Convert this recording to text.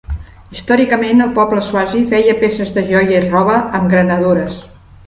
Històricament el poble Swazi feia peces de joia i roba amb granadures.